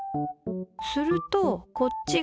するとこっちがＢ？